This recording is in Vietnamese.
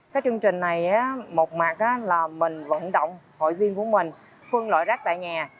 cái chương trình này một mặt là mình vận động hội viên của mình phân loại rác tại nhà